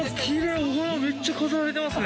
お花めっちゃ飾られてますね。